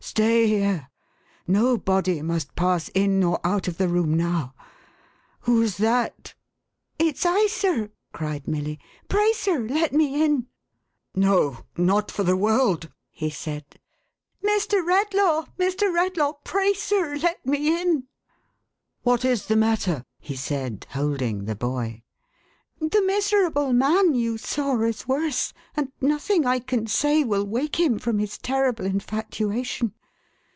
" Stay here. Nobody must pass in or out of the room now. Who's that ?"" It's I, sir," cried Milly. " Pray, sir, let me in !"" No ! not for the world !" he said. " Mr. Iledlaw, Mr. Redlaw, pray, sir, let me in."" " What is the matter ?'" he said, holding the boy. "The miserable man you saw, is worse, and nothing I can say will wake him from his terrible infatuation.